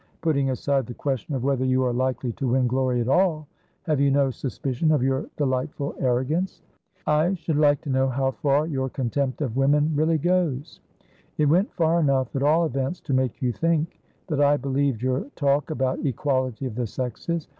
Putting aside the question of whether you are likely to win glory at all, have you no suspicion of your delightful arrogance? I should like to know how far your contempt of women really goes. It went far enough, at all events, to make you think that I believed your talk about equality of the sexes.